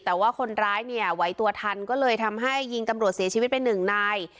แต่ว่าคนร้ายเนี่ยไหวตัวทันก็เลยทำให้ยิงตำรวจเสียชีวิตไปหนึ่งนาย